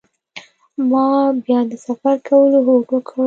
ما بیا د سفر کولو هوډ وکړ.